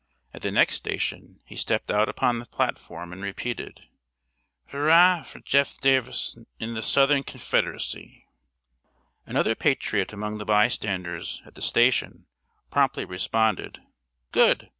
At the next station he stepped out upon the platform, and repeated: "H'rah fr Jeff. Davis n'th'Southrn Confdrcy!" Another patriot among the bystanders at the station promptly responded: "Good.